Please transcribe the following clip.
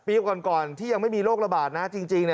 ปีก่อนที่ยังไม่มีโรคระบาดนะจริง